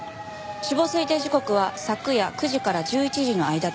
死亡推定時刻は昨夜９時から１１時の間との事です。